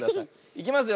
いきますよ。